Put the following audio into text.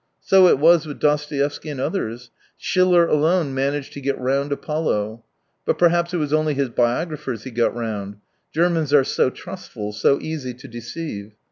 So it was with Dostoevsky and otherSi Schiller alone managed to get round Apollo. But perhaps it was only his hiographers he got round. Germans are so trustful, so easy to deceive.